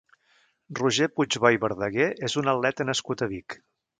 Roger Puigbò i Verdaguer és un atleta nascut a Vic.